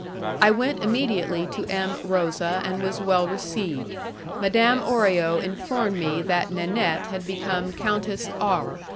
I went immediately to M. Rosa and was well received. Madame Orio informed me that Nanette had become Countess R.